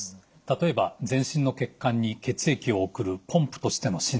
例えば全身の血管に血液を送るポンプとしての心臓。